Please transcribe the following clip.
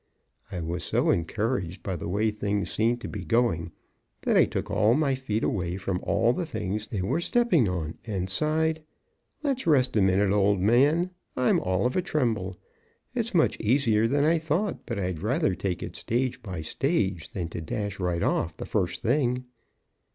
I was so encouraged by the way things seemed to be going that I took all my feet away from all the things they were stepping on, and sighed: "Let's rest a minute, old man. I'm all of a tremble. It's much easier than I thought, but I'd rather take it stage by stage than to dash right off the first thing."